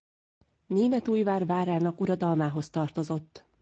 Németújvár várának uradalmához tartozott.